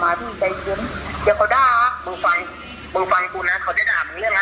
มึงกินวิ่งกันหรือยัง